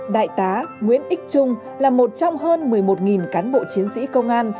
đại tá nguyễn ích trung là một trong hơn một mươi một cán bộ chiến sĩ công an